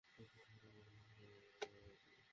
টেবিলটা বাতাসে ভাসছিল, প্রায় এই উঁচুতে!